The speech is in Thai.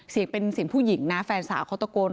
เสียงเป็นเสียงผู้หญิงนะแฟนสาวเขาตะโกน